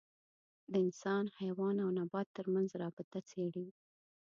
د انسان، حیوان او نبات تر منځ رابطه څېړي.